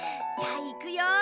じゃあいくよ。